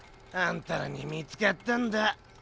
あんたらにみつかったんだ。